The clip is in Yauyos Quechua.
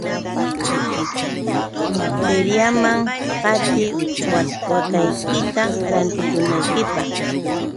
Feriaman qatiy waakaykita rantikunaykipaq.